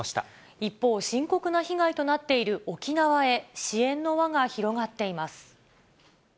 一方、深刻な被害となっている沖縄へ、支援の輪が広がっています。